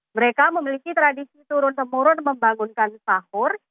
mereka memiliki tradisi turun temurun membangunkan sahur